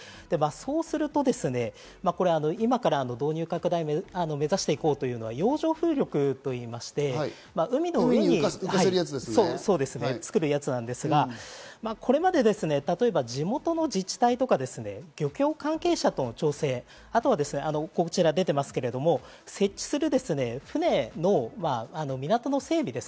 そうすると、今から導入拡大を目指して行こうというのは洋上風力と言いまして、海の上に作るやつなんですが、これまで例えば、地元の自治体とか漁協関係者との調整、後は設置する船の港の整備。